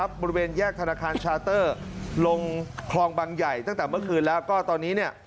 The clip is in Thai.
บริเวณแยกธนาคารชาเตอร์ลงคลองบังใหญ่ตั้งแต่เมื่อคืนแล้วก็ตอนนี้เนี่ย